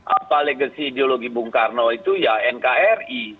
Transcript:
apa legasi ideologi bung karno itu ya nkri